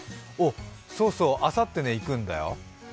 そうそう、あさって行くんだよ。